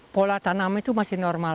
pola tanaman itu masih normal